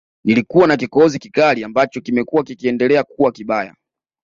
Nilikuwa na kikohozi kikali ambacho kimekuwa kikiendelea kuwa kibaya